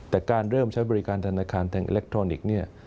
แต่การเริ่มใช้บริการธนาคารแห่งอิเล็กทรอนิกส์เนี่ย